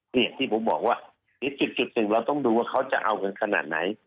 เหลือที่ผมบอกว่าจิตจิตจึงเราต้องดูว่าเขาจะเอากันขนาดไหน